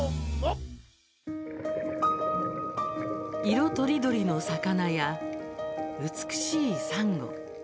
色とりどりの魚や美しいサンゴ。